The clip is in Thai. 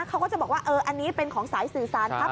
เขาก็จะบอกว่าอันนี้เป็นของสายสื่อสารครับ